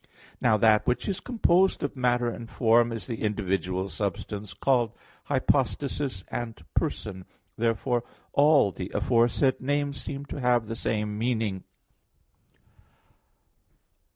Now that which is composed of matter and form is the individual substance called "hypostasis" and "person." Therefore all the aforesaid names seem to have the same meaning.